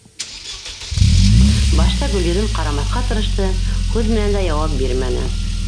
Башта Гөлйөҙөм ҡарамаҫҡа тырышты, һүҙ менән дә яуап бирмәне.